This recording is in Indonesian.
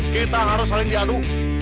kita harus saling diadu